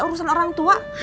urusan orang tua